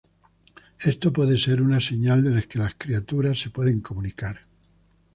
Esto puede ser una señal de que las criaturas se pueden comunicar.